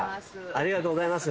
ありがとうございます。